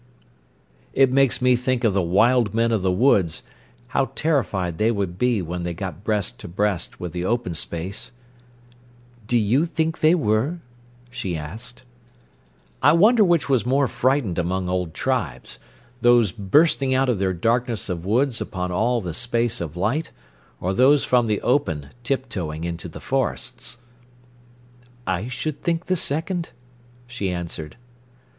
"It makes me think of the wild men of the woods, how terrified they would be when they got breast to breast with the open space." "Do you think they were?" she asked. "I wonder which was more frightened among old tribes—those bursting out of their darkness of woods upon all the space of light, or those from the open tiptoeing into the forests." "I should think the second," she answered.